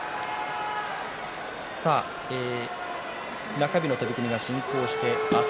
中日の取組が進行しています。